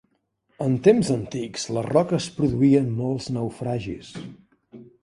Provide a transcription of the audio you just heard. En temps antics les roques produïen molts naufragis.